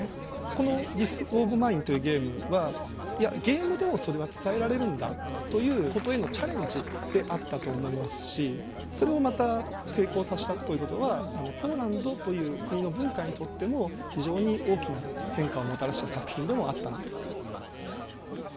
この「ＴｈｉｓＷａｒｏｆＭｉｎｅ」というゲームは「いやゲームでもそれは伝えられるんだ」ということへのチャレンジであったと思いますしそれをまた成功さしたということはポーランドという国の文化にとっても非常に大きな変化をもたらした作品でもあったなと。